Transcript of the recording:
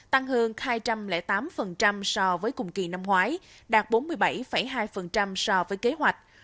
tăng hơn hai trăm linh tám so với cùng kỳ năm ngoái đạt bốn mươi bảy hai so với kế hoạch